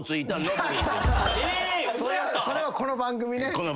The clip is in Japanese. それはこの番組ね。